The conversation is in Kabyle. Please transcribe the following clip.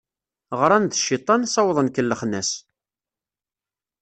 Ɣran d cciṭan, sawḍen kellxen-as.